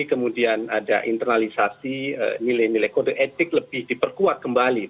kemudian ada internalisasi nilai nilai kode etik lebih diperkuat kembali